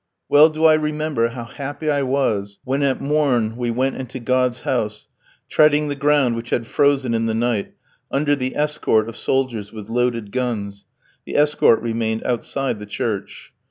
Well do I remember how happy I was when at morn we went into God's house, treading the ground which had frozen in the night, under the escort of soldiers with loaded guns; the escort remained outside the church.